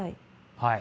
はい。